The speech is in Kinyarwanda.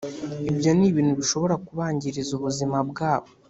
ibyo ni ibintu bishobora kubangiriza ubuzima bwabo